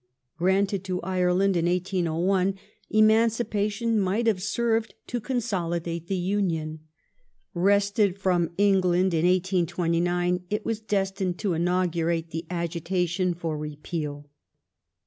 Granted to Ireland in 1801 emancipation might have served to consolidate the Union ; wrested from England in 1829, it was destined to inaugurate the agitation for repeal.